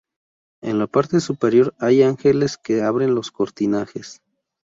En la parte superior, hay ángeles que abren los cortinajes.